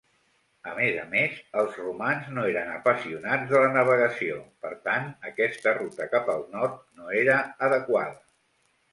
A més a més, els romans no eren apassionats de la navegació, per tant aquesta ruta cap al nord no era adequada.